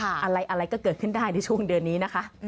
อะไรก็เกิดขึ้นได้ในช่วงเดือนนี้นะคะ